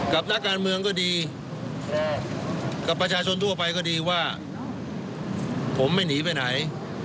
นักการเมืองก็ดีกับประชาชนทั่วไปก็ดีว่าผมไม่หนีไปไหน